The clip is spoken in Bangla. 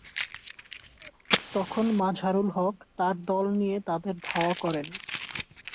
তখন মাজহারুল হক তার দল নিয়ে তাদের ধাওয়া করেন।